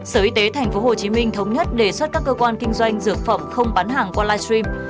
sở y tế tp hcm thống nhất đề xuất các cơ quan kinh doanh dược phẩm không bán hàng qua livestream